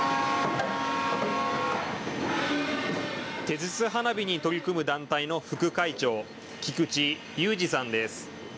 手筒花火に取り組む団体の副会長、菊地勇仁さんです。